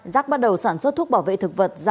giác bắt đầu sản xuất thuốc bảo vệ thực vật giả